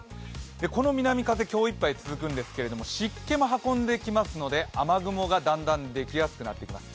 この南風、今日いっぱい続くんですが、湿気も運んできますので、雨雲がだんだんできやすくなってきます。